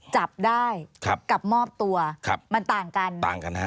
จับได้กับมอบตัวมันต่างกัน